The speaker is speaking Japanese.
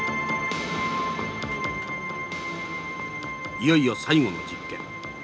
いよいよ最後の実験。